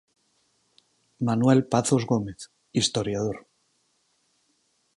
Manuel Pazos Gómez, historiador.